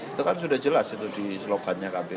itu kan sudah jelas di slogan kpu